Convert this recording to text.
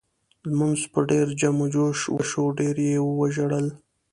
لمونځ په ډېر جم و جوش وشو ډېر یې وژړل.